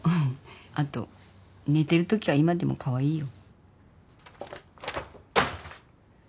あと寝てるときは今でもカワイイよ。